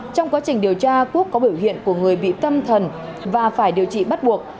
trong quá trình điều tra quốc có biểu hiện của người bị tâm thần và phải điều trị bắt buộc